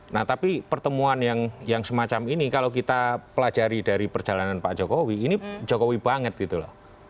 nah tapi pertemuan yang semacam ini kalau kita pelajari dari perjalanan pak jokowi ini jokowi banget gitu loh